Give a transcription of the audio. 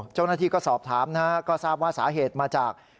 เจ้าหน้าที่ก็สอบถามนะฮะก็ทราบว่าสาเหตุมาจาก